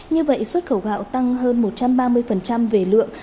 như vậy xuất khẩu gạo tăng hơn một trăm ba mươi về lượng